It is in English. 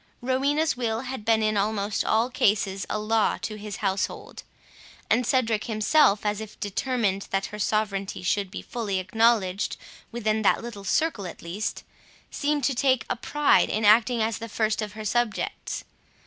Rowena's will had been in almost all cases a law to his household; and Cedric himself, as if determined that her sovereignty should be fully acknowledged within that little circle at least, seemed to take a pride in acting as the first of her subjects.